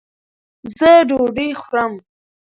زۀ ډوډۍ خورم